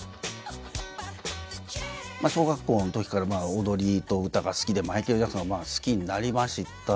小学校のときから踊りと歌が好きでマイケル・ジャクソンを好きになりました。